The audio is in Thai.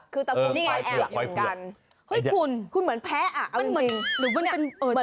คุณเหมือนแพะเหมือนนี่